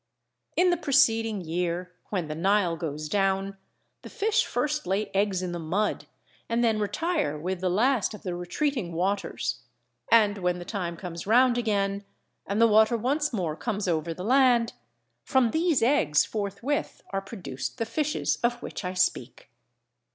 In the preceding year, when the Nile goes down, the fish first lay eggs in the mud and then retire with the last of the retreating waters; and when the time comes round again, and the water once more comes over the land, from these eggs forthwith are produced the fishes of which I speak.